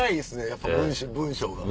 やっぱ文章が。